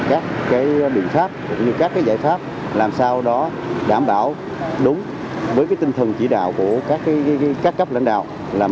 các biện pháp các giải pháp làm sao đó đảm bảo đúng với tinh thần chỉ đạo của các cấp lãnh đạo